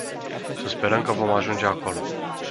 Să sperăm că vom ajunge acolo.